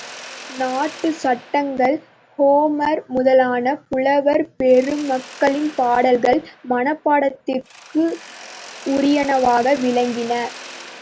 நாட்டுச் சட்டங்கள், ஹோமர் முதலான புலவர் பெருமக்களின் பாடல்கள் மனப்பாடத்திற்கு உரியனவாக விளங்கின.